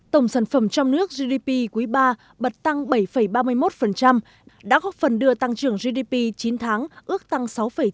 tổng sản phẩm trong nước gdp quý ba bật tăng bảy ba mươi một đã góp phần đưa tăng trưởng gdp chín tháng ước tăng sáu chín mươi tám